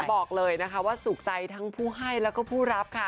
บอกเลยนะคะว่าสุขใจทั้งผู้ให้แล้วก็ผู้รับค่ะ